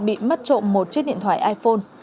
bị mất trộm một chiếc điện thoại iphone